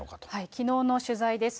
きのうの取材です。